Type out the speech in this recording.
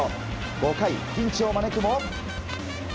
５回、ピンチを招くも。